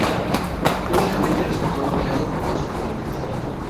Únicamente resultó noqueado por dos oponentes.